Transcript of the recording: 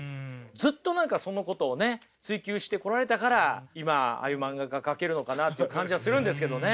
ずっと何かそのことをね追求してこられたから今ああいう漫画が描けるのかなっていう感じはするんですけどね。